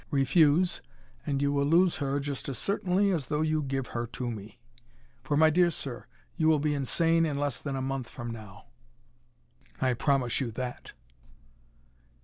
Refuse, and you will lose her just as certainly as though you give her to me. For, my dear sir, you will be insane in less than a month from now. I promise you that!"